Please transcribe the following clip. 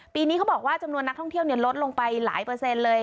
ปีนี้เขาบอกว่าจำนวนนักท่องเที่ยวลดลงไปหลายเปอร์เซ็นต์เลย